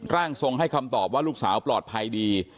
ร่างทรงให้คำตอบว่าลูกสาวปลอดภัยดี